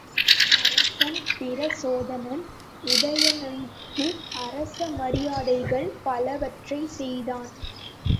அரசன் பிரச்சோதனன், உதயணனுக்கு அரச மரியாதைகள் பலவற்றைச் செய்தான்.